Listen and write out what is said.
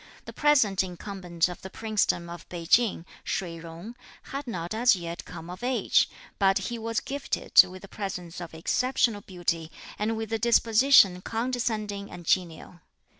The present incumbent of the Princedom of Pei Ching, Shih Jung, had not as yet come of age, but he was gifted with a presence of exceptional beauty, and with a disposition condescending and genial.